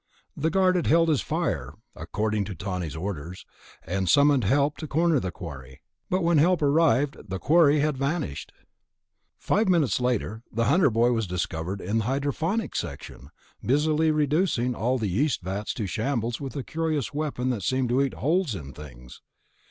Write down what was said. The guard had held his fire (according to Tawney's orders) and summoned help to corner the quarry ... but when help arrived, the quarry had vanished. Five minutes later the Hunter boy was discovered in the Hydroponics section, busily reducing all the yeast vats to shambles with a curious weapon that seemed to eat holes in things.